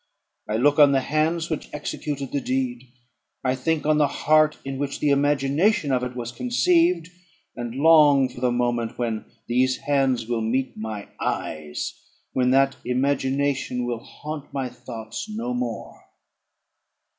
I look on the hands which executed the deed; I think on the heart in which the imagination of it was conceived, and long for the moment when these hands will meet my eyes, when that imagination will haunt my thoughts no more.